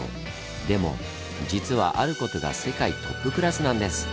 でも実はある事が世界トップクラスなんです。